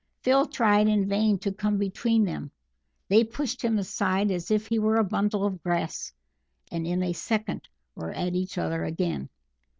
Phil tried in vain to come between them; they pushed him aside as if he were a bundle of grass, and in a second were at each other again.